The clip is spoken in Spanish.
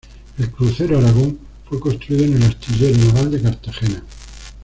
El crucero "Aragón" fue construido en el astillero naval de Cartagena.